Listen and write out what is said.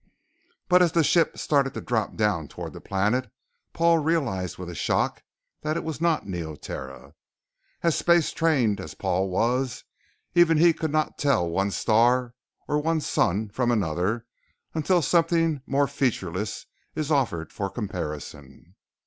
But as the ship started to drop down toward the planet, Paul realized with a shock that it was not Neoterra. As space trained as Paul was, even he could not tell one star or one sun from another until something more featureless is offered for comparison.